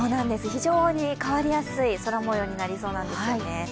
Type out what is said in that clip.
非常に変わりやすい空もようになりそうなんですよね。